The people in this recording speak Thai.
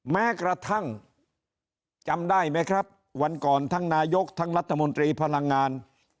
แม้กระทั่งจำได้ไหมครับวันก่อนทั้งนายกทั้งรัฐมนตรีพลังงาน